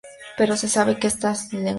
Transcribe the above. Poco se sabe de esta lengua.